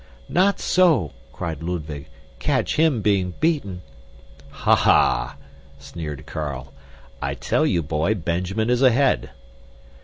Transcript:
"Not so!" cried Ludwig. "Catch him being beaten!" "Ha! ha!" sneered Carl. "I tell you, boy, Benjamin is ahead."